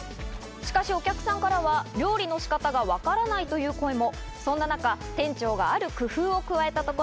しかし、お客さんからは料理の仕方がわからないという声も。